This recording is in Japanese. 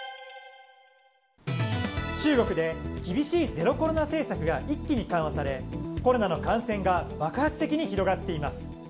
中国で厳しいゼロコロナ政策が一気に緩和されコロナの感染が爆発的に広がっています。